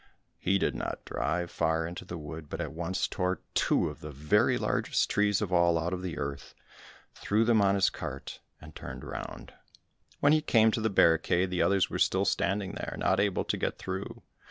He did not drive far into the wood, but at once tore two of the very largest trees of all out of the earth, threw them on his cart, and turned round. When he came to the barricade, the others were still standing there, not able to get through.